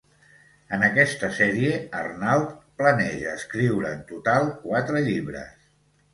En aquesta sèrie, Arnald planeja escriure en total quatre llibres.